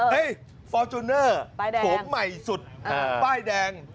เห้ยฟอัลจุนเนอร์เึโม่ใหม่สุดป้ายแดง